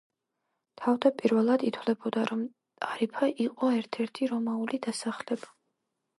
თავდაპირველად ითვლებოდა, რომ ტარიფა იყო ერთ-ერთი რომაული დასახლება.